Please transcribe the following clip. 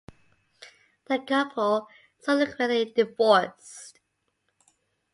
The couple subsequently divorced.